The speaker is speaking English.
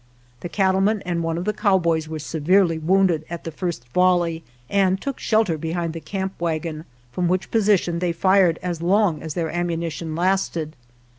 The cat tleman and one of the cowboys were severely wounded at the first volley and took shelter behind the camp wagon, from which posi tion they fired as long as their ammunition lasted.